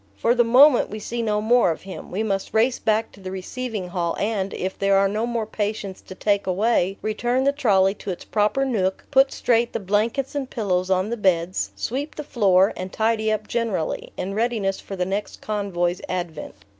For the moment we see no more of him; we must race back to the receiving hall, and, if there are no more patients to take away, return the trolley to its proper nook, put straight the blankets and pillows on the beds, sweep the floor, and tidy up generally, in readiness for the next convoy's advent.